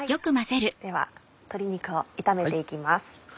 では鶏肉を炒めていきます。